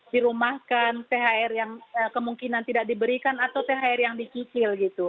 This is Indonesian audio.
dirumahkan phr yang kemungkinan tidak diberikan atau phr yang dikicil